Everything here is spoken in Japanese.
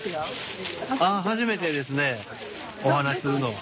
初めてですねお話しするのは。